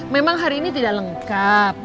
memang hari ini tidak lengkap